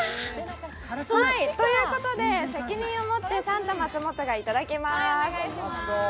ということで責任を持ってサンタ松元がいただきます。